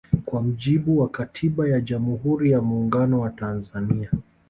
Kwa mujibu wa katiba ya jamhuri ya muungano wa Tanzania